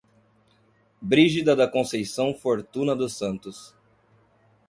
Brigida da Conceição Fortuna dos Santos